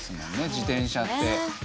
自転車って。